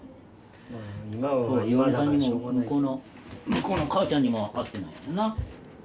向こうの母ちゃんにも会ってないもんな。